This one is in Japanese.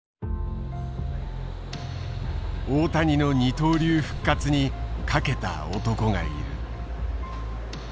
大谷の二刀流復活にかけた男がいる。